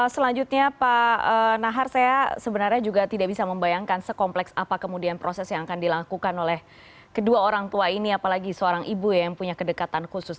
selanjutnya pak nahar saya sebenarnya juga tidak bisa membayangkan sekompleks apa kemudian proses yang akan dilakukan oleh kedua orang tua ini apalagi seorang ibu ya yang punya kedekatan khusus